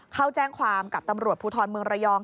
เข้าแจ้งความกับตำรวจภูทรเมืองระยอง